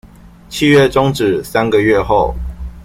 契約終止三個月後